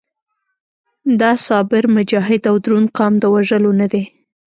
دا صابر، مجاهد او دروند قام د وژلو نه دی.